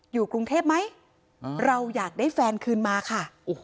อยู่กรุงเทพไหมเราอยากได้แฟนคืนมาค่ะ